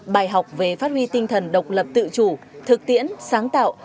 bài học về phát huy tinh thần độc lập tự chủ thực tiễn sáng tạo